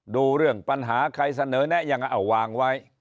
ดูเรื่องปัญหาใครเสนอแนะยังไงเอาวางไว้